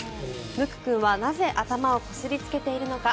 むく君はなぜ頭をこすりつけているのか。